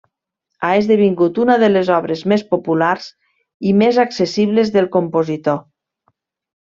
Ha esdevingut una de les obres més populars i més accessibles del compositor.